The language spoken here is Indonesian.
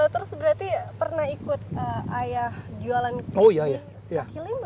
terus berarti pernah ikut ayah jualan kaki lima